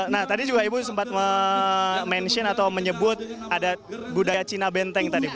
nah tadi juga ibu sempat mention atau menyebut ada budaya cina benteng tadi